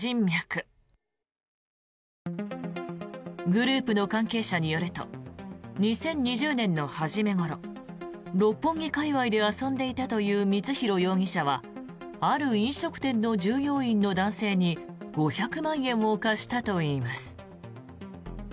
グループの関係者によると２０２０年の初めごろ六本木界わいで遊んでいたという光弘容疑者はある飲食店の従業員の男性に５００万円を貸したといいます。